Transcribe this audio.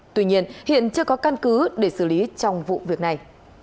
tuy nhiên hiện chưa có căn cứ để xử lý trong vụ việc này